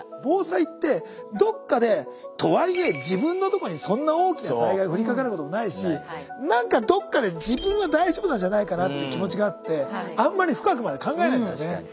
防災ってどっかでとはいえ自分のとこにそんな大きな災害降りかかることもないし何かどっかで自分は大丈夫なんじゃないかなって気持ちがあってあんまり深くまで考えないですよね。